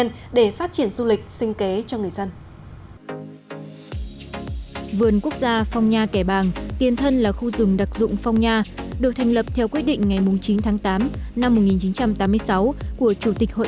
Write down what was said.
ngày ba tháng bảy năm hai nghìn một mươi năm một lần nữa vườn quốc gia phong nha kẻ bàng lại được tinh danh vào danh sách di sản thế giới